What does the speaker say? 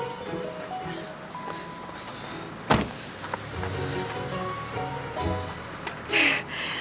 jangan kasar kayak gitu dong